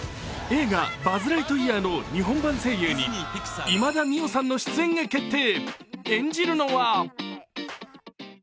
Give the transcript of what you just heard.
映画「バズ・ライトイヤー」の日本版声優に今田美桜さんの出演が決定。